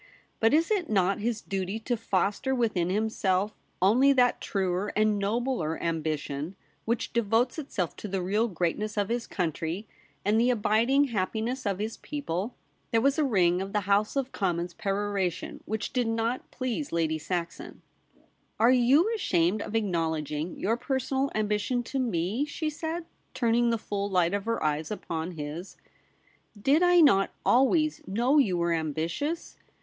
But is it not his duty to foster within himself only that truer and nobler ambition which devotes itself to the real greatness of his country, and the abiding happiness of his people ?' There was a ring of the House of Com mons peroration which did not please Lady 58 THE REBEL ROSE. Saxon. ' Are you ashamed of acknowledging your personal ambition to me ?' she said, turning the full light of her eyes upon his. ' Did I not always know you were ambitious?